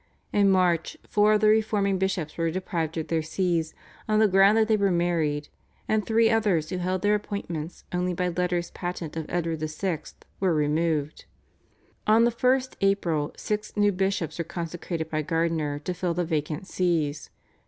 In March four of the reforming bishops were deprived of their Sees on the ground that they were married, and three others who held their appointments only by letters patent of Edward VI. were removed. On the 1st April six new bishops were consecrated by Gardiner to fill the vacant Sees.